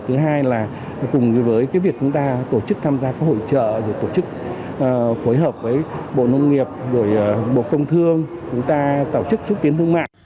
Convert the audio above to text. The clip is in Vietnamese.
thứ hai là cùng với cái việc chúng ta tổ chức tham gia các hội trợ tổ chức phối hợp với bộ nông nghiệp bộ công thương chúng ta tạo chức xuất tiến thương mạng